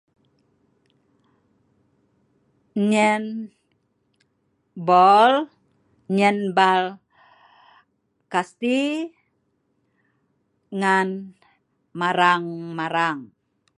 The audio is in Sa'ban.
Nyien boll nyien ball kasi ngan marang marang